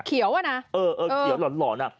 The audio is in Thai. เคียวน่ะเออเคียวหลอนน่ะ